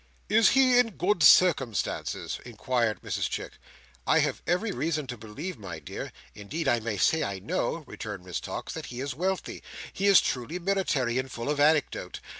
"Is he in good circumstances?" inquired Mrs Chick. "I have every reason to believe, my dear—indeed I may say I know," returned Miss Tox, "that he is wealthy. He is truly military, and full of anecdote.